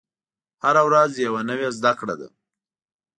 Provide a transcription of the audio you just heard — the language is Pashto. هره ورځ یوه نوې زده کړه ده.